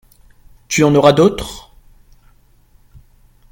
Tu en auras d'autres ?